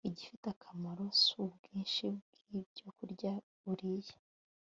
igifite akamaro si ubwinshi bw'ibyokurya uriye